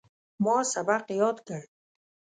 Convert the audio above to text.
ما سبق یاد کړ.